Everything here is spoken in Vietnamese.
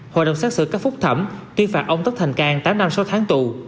hội đồng xác sự các phúc thẩm tuyên phạt ông tóc thành cang tám năm sáu tháng tù